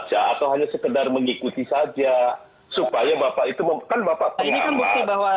bapak sudah baca atau hanya sekedar mengikuti saja supaya bapak itu kan bapak pengalaman